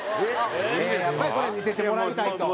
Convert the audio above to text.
やっぱりこれは見せてもらいたいと。